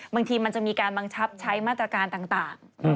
บางทีมันจะมีการบังคับใช้มาตรการต่าง